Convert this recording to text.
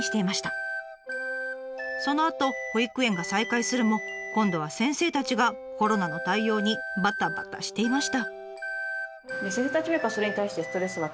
そのあと保育園が再開するも今度は先生たちがコロナの対応にバタバタしていました。